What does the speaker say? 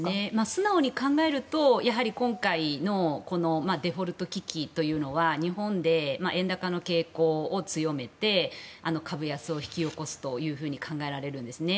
素直に考えると今回のデフォルト危機というのは日本で円高の傾向を強めて株安を引き起こすと考えられるんですね。